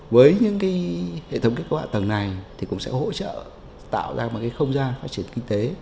với những hệ thống kết cấu hạ tầng này thì cũng sẽ hỗ trợ tạo ra một không gian phát triển kinh tế